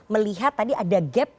melihat tadi ada gap